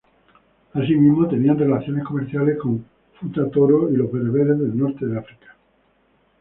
Asimismo, tenían relaciones comerciales con Futa Toro y los bereberes del norte de África.